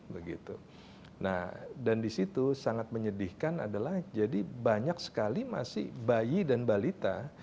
nah dan disitu sangat menyedihkan adalah jadi banyak sekali masih bayi dan balita